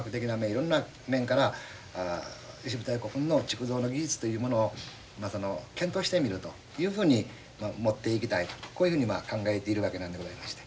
いろんな面から石舞台古墳の築造の技術というものをまあ検討してみるというふうに持っていきたいとこういうふうに考えているわけなんでございまして。